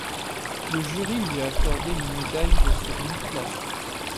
Le jury lui a accordé une médaille de seconde classe.